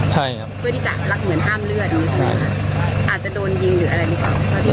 เพื่อที่จะลักเหมือนห้ามเลือดอาจจะโดนยิงหรืออะไรดีกว่า